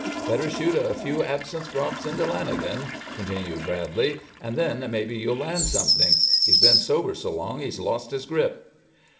"Better shoot a few absinthe drips into Lanagan," continued Bradley, "and then maybe you'll land something. He's been sober so long he's lost his grip."